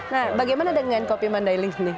nah bagaimana dengan kopi mandailing ini